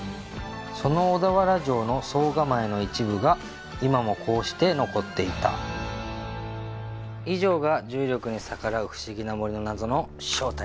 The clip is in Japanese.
その小田原城の総構えの一部が今もこうして残っていた以上が重力に逆らう不思議な森の謎の正体